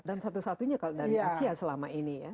dan satu satunya kalau dari asia selama ini ya